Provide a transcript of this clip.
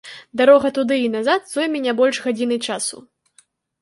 Дарога туды і назад зойме не больш гадзіны часу.